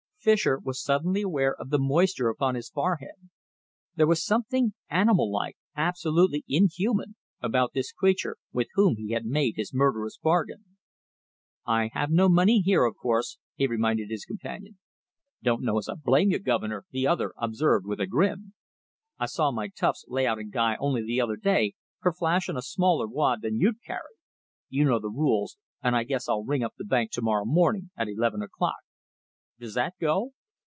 Fischer was suddenly aware of the moisture upon his forehead. There was something animallike, absolutely inhuman, about this creature with whom he had made his murderous bargain. "I have no money here, of course," he reminded his companion. "Don't know as I blame you, guv'nor," the other observed with a grin. "I saw my toughs lay out a guy only the other day for flashing a smaller wad than you'd carry. You know the rules, and I guess I'll ring up the bank to morrow morning at eleven o'clock. Does that go?"